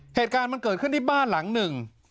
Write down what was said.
เหตุการณ์มันเกิดขึ้นที่บ้านหลังหนึ่ง